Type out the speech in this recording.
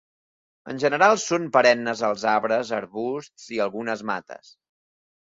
En general són perennes els arbres, arbusts i algunes mates.